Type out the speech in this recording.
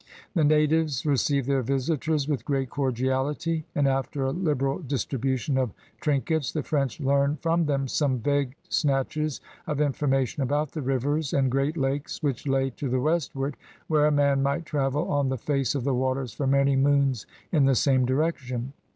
The natives received their visitors with great cordiality, and after a liberal distribution of trink ets the French learned from them some vague snatches of information about the rivers and great lakes which lay to the westward ''where a man might travel on the face of the waters for many moons in the same direction.''